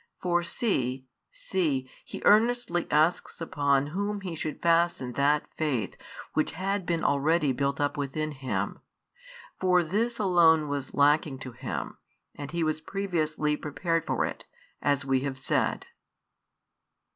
For see, see, he earnestly asks upon whom he should fasten that faith which had been already built up within him. For this alone was lacking to him, and he was previously prepared for it, as we have said.